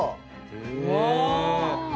うわ！